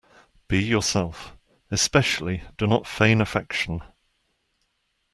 Be yourself. Especially do not feign affection.